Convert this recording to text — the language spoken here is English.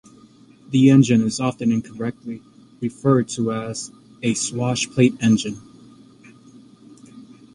The engine is often incorrectly referred to as a swashplate engine.